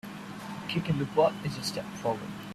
A kick in the butt is a step forward.